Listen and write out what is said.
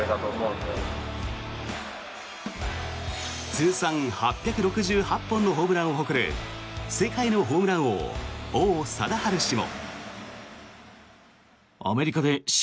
通算８６８本のホームランを誇る世界のホームラン王王貞治氏も。